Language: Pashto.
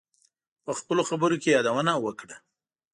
په خپلو خبرو کې یادونه وکړه.